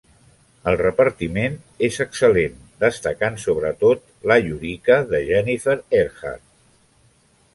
El repartiment és excel·lent, destacant sobretot la Yurika de Jennifer Earhart.